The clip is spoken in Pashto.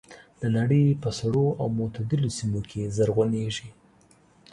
د نړۍ په سړو او معتدلو سیمو کې زرغونېږي.